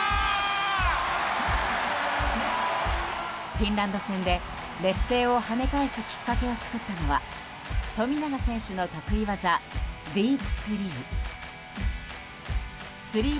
フィンランド戦で劣勢を跳ね返すきっかけを作ったのは富永選手の得意技ディープスリー。